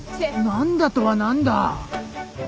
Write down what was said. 何だとは何だ！？